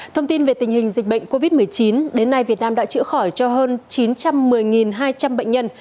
thông tin về tình hình dịch bệnh covid một mươi chín đến nay việt nam đã chữa khỏi cho hơn chín trăm một mươi hai trăm linh bệnh nhân